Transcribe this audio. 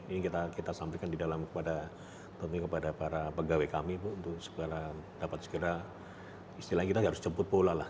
ini kita sampaikan di dalam kepada tentunya kepada para pegawai kami bu untuk segera dapat segera istilahnya kita nggak harus jemput bola lah